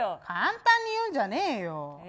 簡単に言うんじゃねえよ。